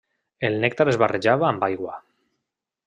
El nèctar es barrejava amb aigua.